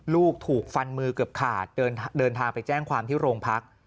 ลูกถูกฟันมือเกือบขาดเดินทางไปแจ้งความที่โรงพัก